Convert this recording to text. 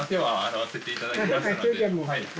はい。